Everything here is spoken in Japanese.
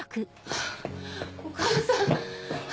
ハァお母さん！